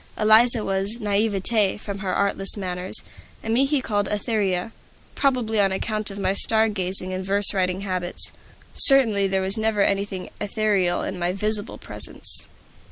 Eliza was "Naivete," from her artless manners; and me he called "Etheria," probably on account of my star gazing and verse writing habits. Certainly there was never anything ethereal in my visible presence.